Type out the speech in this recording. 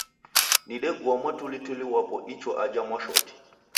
Nidegua mwatulituli wapo icho aje Mwashoti.